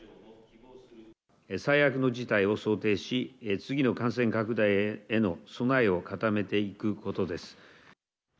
最悪の事態を想定し、次の感染拡大への備えを固めていくことです。